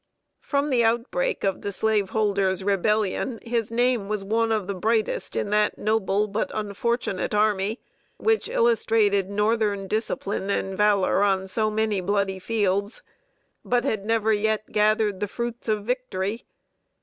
From the outbreak of the Slaveholders' Rebellion his name was one of the brightest in that noble but unfortunate army which illustrated Northern discipline and valor on so many bloody fields, but had never yet gathered the fruits of victory.